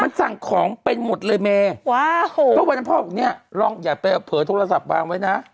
มันสั่งของเป็นหมดเลยเมย์ก็วันนั้นพ่อบอกเนี้ยลองอย่าไปเผลอโทรศัพท์วางไว้นะ